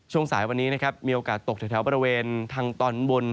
ช่วงสายวันนี้มีโอกาสตกแถวแถวบริเวณทางตอนบน